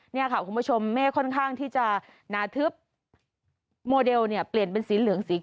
เนี่ยค่ะคุณผู้ชมเมฆค่อนข้างที่จะหนาทึบโมเดลเนี่ยเปลี่ยนเป็นสีเหลืองสี